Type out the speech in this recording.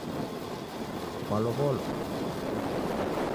Kwalow'olwa?